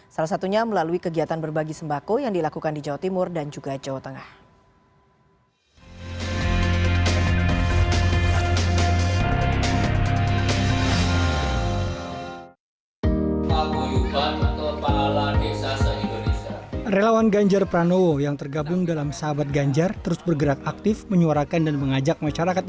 salah satunya melalui kegiatan berbagi sembako yang dilakukan di jawa timur dan juga jawa tengah